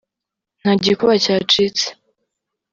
“Nta gikuba cyacitse